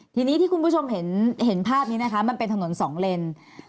ทีนี้ที่คุณผู้ชมเห็นภาพนี้นะคะมันเป็นถนนสองเลน